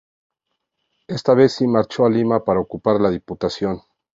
Esta vez si marchó a Lima para ocupar la diputación.